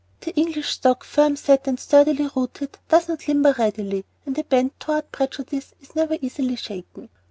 The English stock, firm set and sturdily rooted, does not "limber" readily, and a bent toward prejudice is never easily shaken.